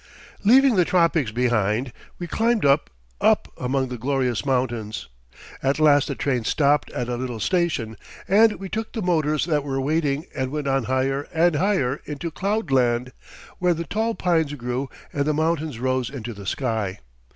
Leaving the tropics behind, we climbed up, up among the glorious mountains. At last the train stopped at a little station, and we took the motors that were waiting and went on higher and higher into cloudland, where the tall pines grew and the mountains rose into the sky.